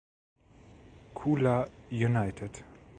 Chula United